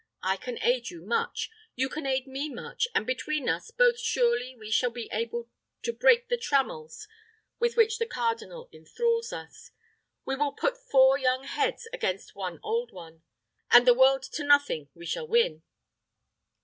I can aid you much, you can aid me much, and between us both surely we shall be able to break the trammels with which the cardinal enthrals us. We will put four young heads against one old one, and the world to nothing we shall win!"